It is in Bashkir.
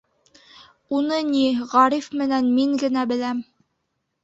Уны, ни, Ғариф менән мин генә беләм.